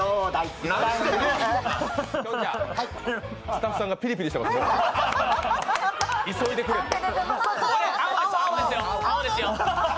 スタッフさんがピリピリしてます、急いでくれと。